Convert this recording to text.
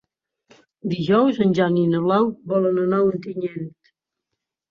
Dijous en Jan i na Blau volen anar a Ontinyent.